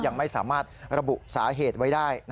ยังไม่สามารถระบุสาเหตุไว้ได้